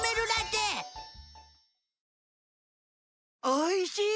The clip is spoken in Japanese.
おいしい！